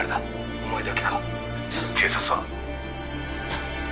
お前だけか警察は？